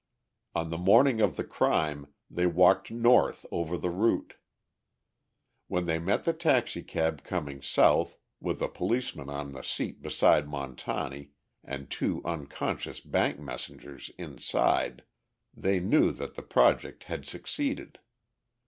On the morning of the crime they walked north over the route. When they met the taxicab coming south, with a policeman on the seat beside Montani and two unconscious bank messengers inside, they knew that the project had succeeded.